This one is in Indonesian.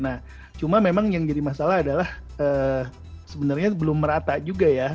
nah cuma memang yang jadi masalah adalah sebenarnya belum merata juga ya